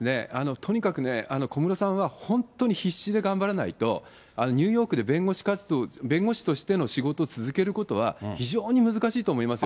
とにかくね、小室さんは本当に必死で頑張らないと、ニューヨークで弁護士活動、弁護士としての仕事を続けることは、非常に難しいと思いますよ。